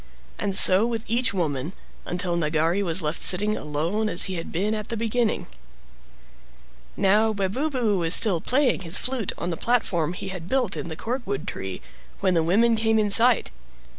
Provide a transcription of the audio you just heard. And so with each woman, until Nagari was left sitting alone as he had been at the beginning. Now Webubu was still playing his flute on the platform he had built in the corkwood tree, when the women came in sight.